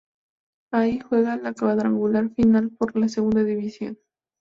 Ahí juega la cuadrangular final por la Segunda División.